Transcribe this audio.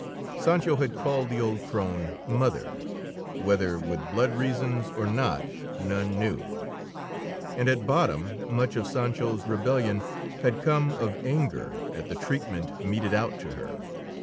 Sancho had called the old crone mother, whether with blood reasons or not none knew. And at bottom, much of Sancho's rebellion had come of anger at the treatment meted out to her.